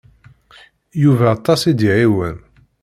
Yuba aṭas i d-iɛiwen.